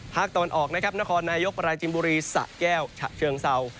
ภาคตะวันออกนะครับนครนายกปราจินบุรีสะแก้วฉะเชิงเศร้า